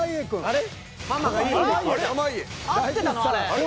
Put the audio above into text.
あれ？